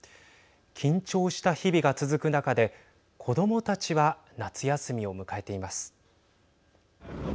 緊張した日々が続く中で子どもたちは夏休みを迎えています。